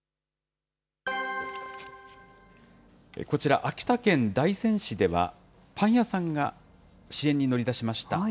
こちら、秋田県大仙市では、パン屋さんが支援に乗り出しました。